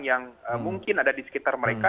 yang mungkin ada di sekitar mereka